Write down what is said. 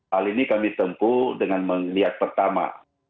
hal ini kami tempuh dengan melihat pertama